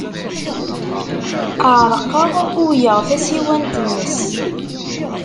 Ɛerqeɣ, uwyeɣ tasiwant-nnes.